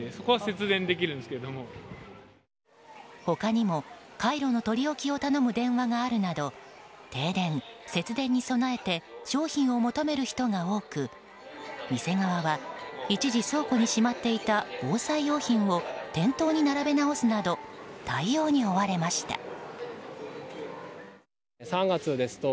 他にもカイロの取り置きを頼む電話があるなど停電・節電に備えて商品を求める人が多く店側は一時倉庫にしまっていた防災用品を店頭に並べ直すなど対応に追われました。